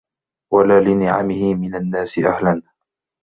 وَلَا لِنِعَمِهِ مِنْ النَّاسِ أَهْلًا